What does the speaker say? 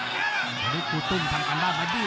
ขอติดให้คู่ตุ้งทำกันได้ค่ะว่าดิ